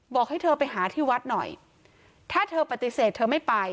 บอกให้เธอไปหาที่วัดหน่อยถ้าเธอปฏิเสธเธอไม่ไป